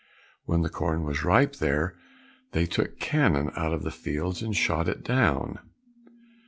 When the corn was ripe there, they took cannon out to the fields and shot it down.